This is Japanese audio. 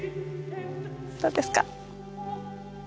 どうですか？